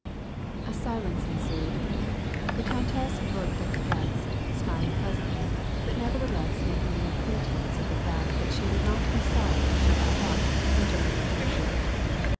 A siLENCB ensued. The countess looked at the guest, smiling pleasantly, but nevertheless making no pretence of the fact that she would not be sorry if she got up and took her departure.